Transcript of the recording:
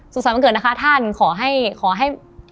สุขสาวบังเกิดนะคะท่านขอให้